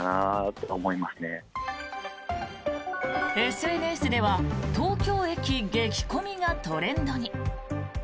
ＳＮＳでは「東京駅激混み」がトレンドに。